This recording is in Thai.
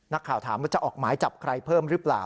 นักข่าวถามว่าจะออกหมายจับใครเพิ่มหรือเปล่า